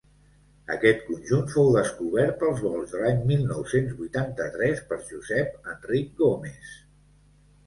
Aquest conjunt fou descobert pels volts de l'any mil nou-cents vuitanta-tres per Josep-Enric Gómez.